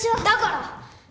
だから！